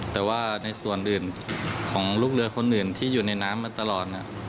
แต่ว่าในส่วนอื่นของลูกเรือคนอื่นที่อยู่ในน้ำมาตลอด